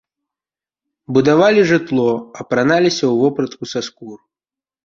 Будавалі жытло, апраналіся ў вопратку са скур.